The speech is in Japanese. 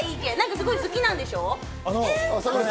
すごい好きなんでしょ？